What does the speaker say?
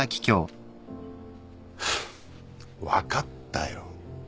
ハァ分かったよ。